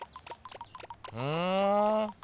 ふん？